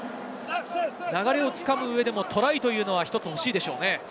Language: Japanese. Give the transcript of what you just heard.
流れをつかむ上でもトライは１つ欲しいでしょうね。